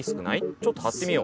ちょっと貼ってみよう。